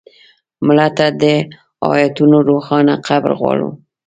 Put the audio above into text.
مړه ته د آیتونو روښانه قبر غواړو